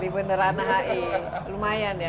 di beneran ai lumayan ya